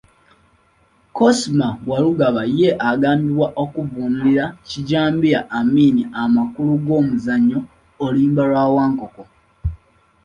Kosima Warugaba ye agambibwa okuvvuunulira Kijambiya Amin amakulu g'omuzannyo "Oluyimba lwa Wankoko".